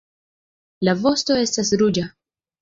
La vosto estas ruĝa.